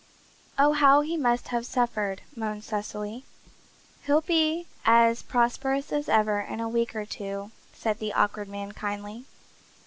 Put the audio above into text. "Oh, how he must have suffered!" moaned Cecily. "He'll be as prosperous as ever in a week or two," said the Awkward Man kindly.